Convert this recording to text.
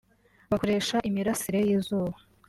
bakoresha imirasire y’izuba